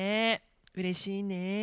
うれしいね。